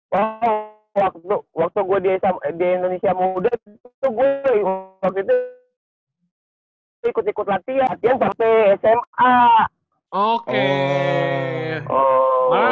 waktu gue di indonesia muda itu gue waktu itu ikut ikut latihan sampe sma